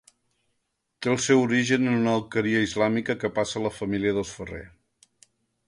Té el seu origen en una alqueria islàmica que passà a la família dels Ferrer.